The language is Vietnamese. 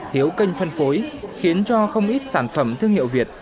thiếu kênh phân phối khiến cho không ít sản phẩm thương hiệu việt